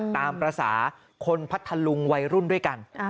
ตามภาษาคนพัทธลุงวัยรุ่นด้วยกัน